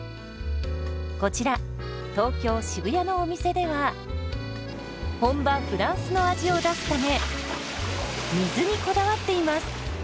こちら東京・渋谷のお店では本場フランスの味を出すため水にこだわっています。